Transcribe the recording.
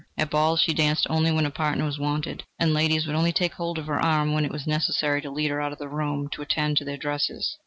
At balls she danced only when a partner was wanted, and ladies would only take hold of her arm when it was necessary to lead her out of the room to attend to their dresses.